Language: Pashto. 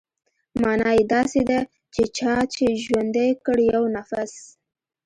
مانا يې داسې ده چې چا چې ژوندى کړ يو نفس.